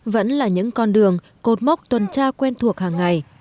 vẫn là những con đường cột mốc tuần tra quen thuộc hàng ngày